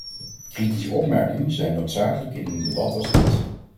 Kritische opmerkingen zijn noodzakelijk in een debat als dit.